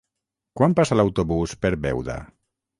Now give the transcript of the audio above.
Quan passa l'autobús per Beuda?